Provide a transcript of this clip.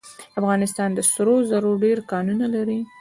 افغانستان د سرو زرو ډیر کانونه لري.